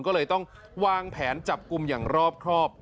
ก็เลยต้องวางแผนจับกลุ่มอย่างรอบครอบ